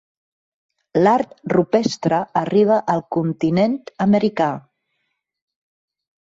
L'art rupestre arriba al continent americà.